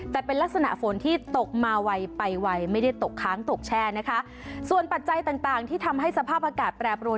แต่เป็นลักษณะฝนที่ตกมาไวไปไวไม่ได้ตกค้างตกแช่นะคะส่วนปัจจัยต่างต่างที่ทำให้สภาพอากาศแปรปรวน